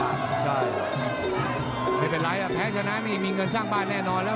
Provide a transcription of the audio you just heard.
ไม่เป็นไรแบบนี้แม่ชนะมีเงินลองสร้างบ้านแน่นอนแล้ว